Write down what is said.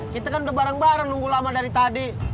kita kan udah bareng bareng nunggu lama dari tadi